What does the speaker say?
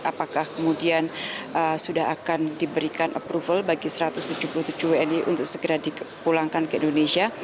apakah kemudian sudah akan diberikan approval bagi satu ratus tujuh puluh tujuh wni untuk segera dipulangkan ke indonesia